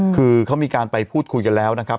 คือเขามีการไปพูดคุยกันแล้วนะครับ